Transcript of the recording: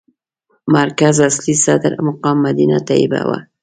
مرکز اصلي صدر مقام مدینه طیبه وه.